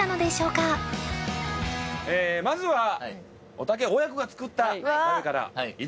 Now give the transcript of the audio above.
まずはおたけ親子が作った鍋から頂きましょう。